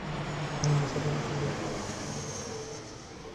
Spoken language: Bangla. নিসার আলি বললেন, আমি ধরে নিয়েছিলাম তুমি আর আসবে না।